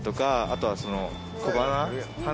あとは小鼻？